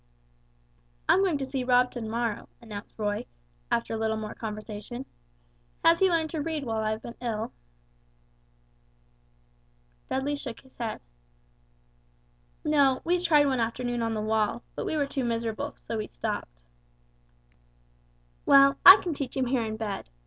"I'm going to see Rob to morrow," announced Roy, after a little more conversation. "Has he learned to read while I have been ill?" Dudley shook his head. "No, we tried one afternoon on the wall, but we were too miserable, so we stopped." "Well, I can teach him here in bed.